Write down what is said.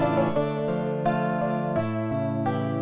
ada apa mak